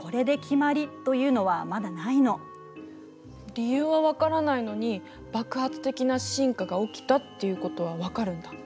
理由は分からないのに爆発的な進化が起きたっていうことは分かるんだ？